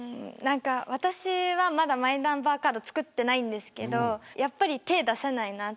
私はまだマイナンバーカード作ってないんですけどやっぱり手を出せないな。